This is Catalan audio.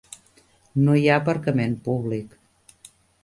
No hi ha aparcament públic.